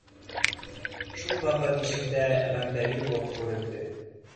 Шул ваҡыт ишектә Ғәндәлипов күренде